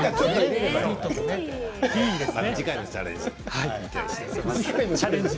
次回のチャレンジ。